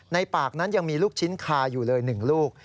ในปากนั้นยังมีลูกชิ้นคาอยู่เลย๑ลูก